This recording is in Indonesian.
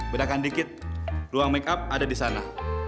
bedakan dikit ruang make up ada di sana